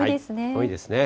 多いですね。